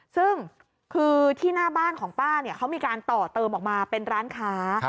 ซึ่งคือที่หน้าบ้านของป้าเนี่ยเขามีการต่อเติมออกมาเป็นร้านค้า